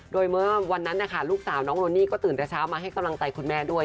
โดยเมื่อวันนั้นนะคะลูกสาวน้องโรนี่ก็ตื่นแต่เช้ามาให้กำลังใจคุณแม่ด้วย